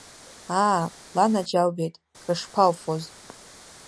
Аа, ланаџьалбеит, крышԥалфоз!